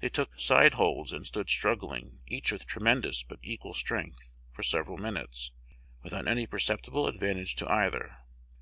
They took "side holds," and stood struggling, each with tremendous but equal strength, for several minutes, without any perceptible advantage to either.